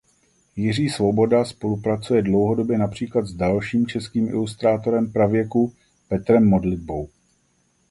Jiří Svoboda spolupracuje dlouhodobě například s dalším českým ilustrátorem pravěku Petrem Modlitbou.